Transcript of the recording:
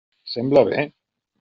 Els sembla bé?